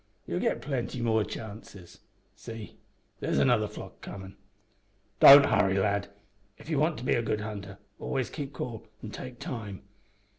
You'll git plenty more chances. See, there's another flock comin'. Don't hurry, lad. If ye want to be a good hunter always keep cool, an' take time.